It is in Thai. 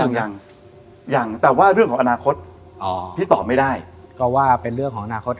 ยังยังแต่ว่าเรื่องของอนาคตที่ตอบไม่ได้ก็ว่าเป็นเรื่องของอนาคต